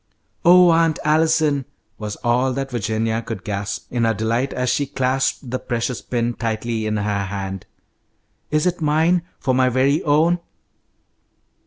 "Oh, Aunt Allison!" was all that Virginia could gasp in her delight as she clasped the precious pin tightly in her hand. "Is it mine? For my very own?"